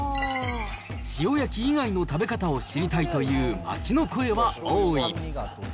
塩焼き以外の食べ方を知りたいという街の声は多い。